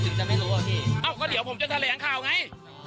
เอ้าก็เดี๋ยวผมจะแถลงข่าวไง